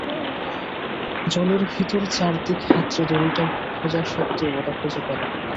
জলের ভিতর চারদিক হাতড়ে দড়িটা খোঁজা সত্ত্বেও, ওটা খুঁজে পেলাম না।